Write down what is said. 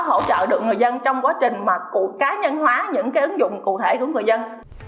hỗ trợ được người dân trong quá trình mà cá nhân hóa những cái ứng dụng cụ thể của người dân